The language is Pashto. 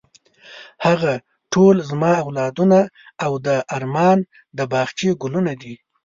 هغه ټول زما اولادونه او د ارمان د باغچې ګلونه دي.